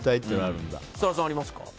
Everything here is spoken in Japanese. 設楽さんはありますか？